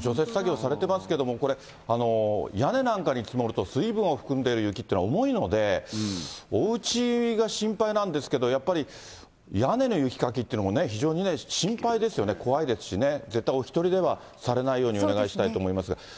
除雪作業されていますけれども、これ、屋根なんかに積もると、水分を含んでいる雪っていうのは重いので、おうちが心配なんですけど、やっぱり、屋根の雪かきっていうのも非常に心配ですよね、怖いですしね、絶対、お１人ではされないようにお願いしたいと思いますが。